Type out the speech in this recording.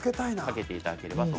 かけていただければと。